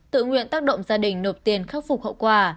tự nguyện tác động gia đình nộp tiền khắc phục hậu quả